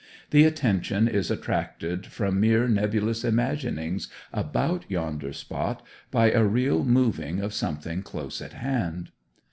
The attention is attracted from mere nebulous imaginings about yonder spot by a real moving of something close at hand.